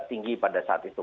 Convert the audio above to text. tinggi pada saat itu